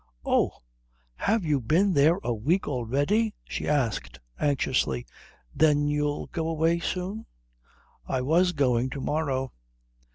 "Oh, have you been there a week already?" she asked anxiously. "Then you'll go away soon?" "I was going to morrow."